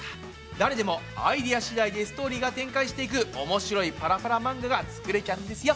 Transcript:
誰でもアイデアしだいでストーリーが展開していく面白いパラパラ漫画が作れちゃうんですよ。